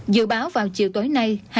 dự báo vào chiều tối nay